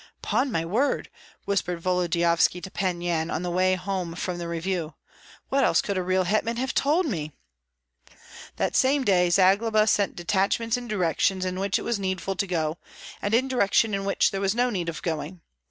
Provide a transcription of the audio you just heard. "'Pon my word!" whispered Volodyovski to Pan Yan on the way home from the review, "what else could a real hetman have told me?" That same day Zagloba sent detachments in directions in which it was needful to go, and in direction in which there was no need of going.